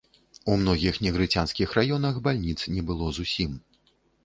У многіх негрыцянскіх раёнах бальніц не было зусім.